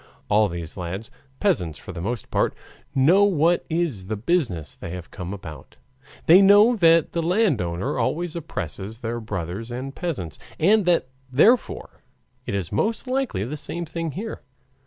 All these lads, peasants for the most part, know what is the business they have come about; they know that the landowners always oppress their brothers the peasants, and that therefore it is most likely the same thing here.